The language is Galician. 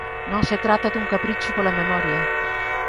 Non se trata dun capricho pola memoria.